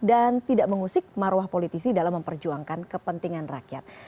tidak mengusik maruah politisi dalam memperjuangkan kepentingan rakyat